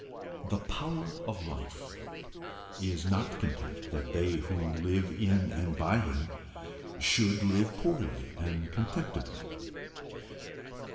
The Power of Life is not content that they who live in and by him should live poorly and contemptibly.